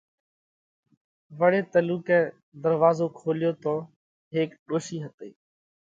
وۯي تلُوڪئہ ڌروازو کوليو تو هيڪ ڏوشِي هتئِي۔